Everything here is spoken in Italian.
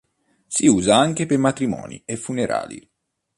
Si usa anche per matrimoni e funerali.